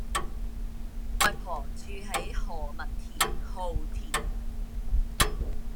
我外婆住喺何文田皓畋